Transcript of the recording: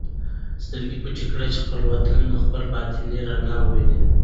سترګې پټې کړه چې خپله باطني رڼا ووینې.